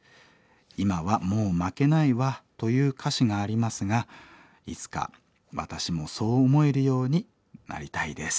『今はもう負けないわ』という歌詞がありますがいつか私もそう思えるようになりたいです」。